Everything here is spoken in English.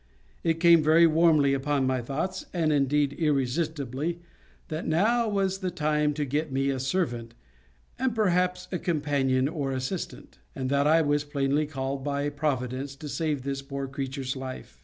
It came very warmly upon my thoughts, and indeed irresistibly, that now was the time to get me a servant, and, perhaps, a companion or assistant; and that I was plainly called by Providence to save this poor creature's life.